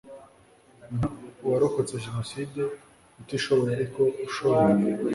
nk uwarokotse jenoside utishoboye ariko ushobora